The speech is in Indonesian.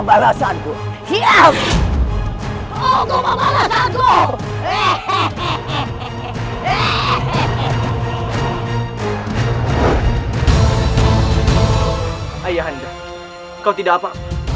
kau tidak apa apa